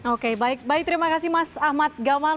oke baik baik terima kasih mas ahmad gamal